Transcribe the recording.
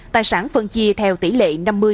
tài sản phân chia theo tỷ lệ năm mươi năm mươi